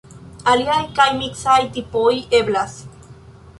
Aliaj kaj miksaj tipoj eblas.